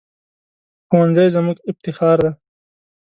ښوونځی زموږ افتخار دی